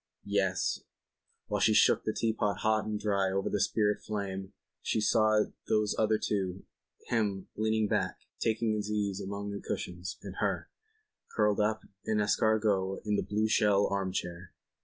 Yes, while she shook the teapot hot and dry over the spirit flame she saw those other two, him, leaning back, taking his ease among the cushions, and her, curled up en escargot in the blue shell arm chair.